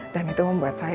disini lho males buat pake